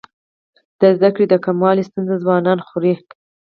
د زده کړو د کموالي ستونزه ځوانان ځوروي.